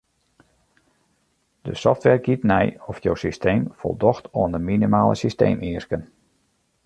De software giet nei oft jo systeem foldocht oan de minimale systeemeasken.